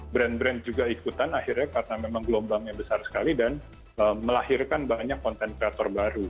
brand brand juga ikutan akhirnya karena memang gelombangnya besar sekali dan melahirkan banyak konten kreator baru